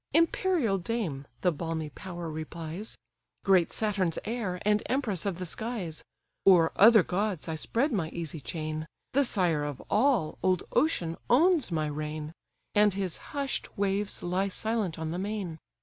"Imperial dame (the balmy power replies), Great Saturn's heir, and empress of the skies! O'er other gods I spread my easy chain; The sire of all, old Ocean, owns my reign. And his hush'd waves lie silent on the main.